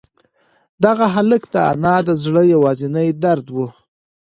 دغه هلک د انا د زړه یوازینۍ درد و.